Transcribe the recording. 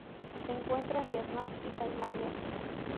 Se encuentra en Vietnam y Tailandia.